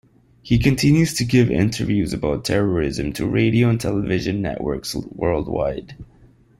He continues to give interviews about terrorism to radio and television networks worldwide.